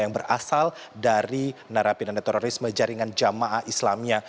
yang berasal dari narapidana terorisme jaringan jamaah islamia